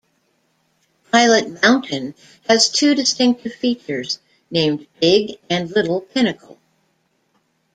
Pilot Mountain has two distinctive features, named Big and Little Pinnacle.